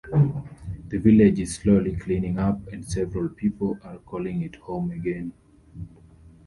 The village is slowly cleaning up and several people are calling it home again.